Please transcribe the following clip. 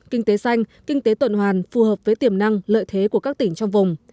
kinh tế xanh kinh tế tuần hoàn phù hợp với tiềm năng lợi thế của các tỉnh trong vùng